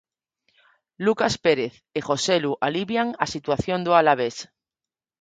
Lucas Pérez e Joselu alivian a situación do Alavés.